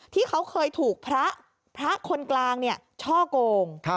ที่เขาเคยถูกพระคนกลางช่อโกง